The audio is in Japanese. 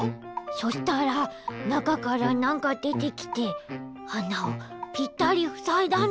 そしたらなかからなんかでてきてあなをぴったりふさいだんだよ！